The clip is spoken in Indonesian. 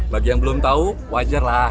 bagi yang belum tahu wajarlah